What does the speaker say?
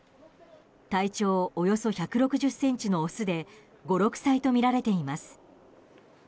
体長およそ１６０ｃｍのオスで５６歳とみられています。